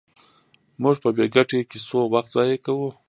موږ په بې ګټې کیسو وخت ضایع کوو.